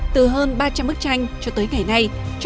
từ hơn ba trăm linh bức tranh cho tới ngày nay